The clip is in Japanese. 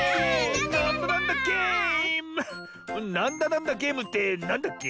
「なんだなんだゲーム」ってなんだっけ？